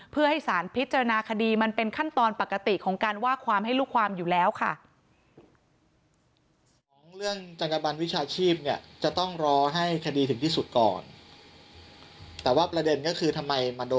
เพื่อให้สารพิจารณาคดีมันเป็นขั้นตอนปกติของการว่าความให้ลูกความอยู่แล้วค่ะ